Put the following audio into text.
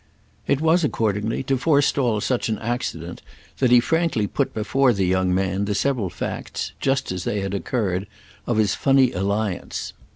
It was accordingly to forestall such an accident that he frankly put before the young man the several facts, just as they had occurred, of his funny alliance.